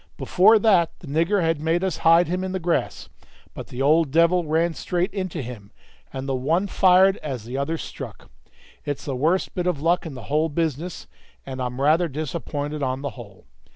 Before that the nigger had made us hide him in the grass, but the old devil ran straight into him, and the one fired as the other struck. It's the worst bit of luck in the whole business, and I'm rather disappointed on the whole.